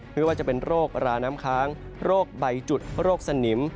ไม่ว่าจะเป็นโรคราน้ำค้างโรคใบจุดโรคสนิม